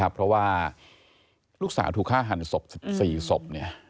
เพราะว่าลูกสาวถูกฆ่าหันศพ๑๔ศพ